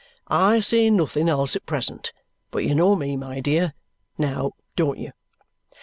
I say nothing else at present; but you know me, my dear; now, don't you?"